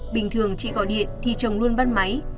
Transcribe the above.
bình thường chị gọi điện thì chồng luôn bắt máy